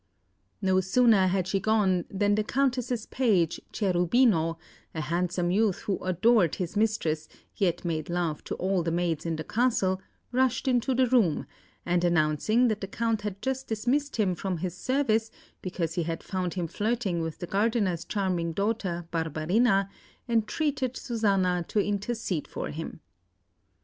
No sooner had she gone than the Countess's page, Cherubino, a handsome youth who adored his mistress, yet made love to all the maids in the castle, rushed into the room, and announcing that the Count had just dismissed him from his service, because he had found him flirting with the gardener's charming daughter, Barbarina, entreated Susanna to intercede for him.